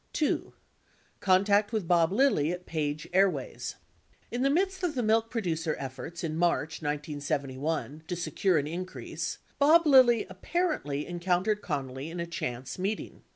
2. CONTACT WITH BOB LILLY AT PAGE AIRWAYS In the midst of the milk producer efforts in March 1971 to secure an increase, Bob Lilly apparently encountered Connally in a chance meeting.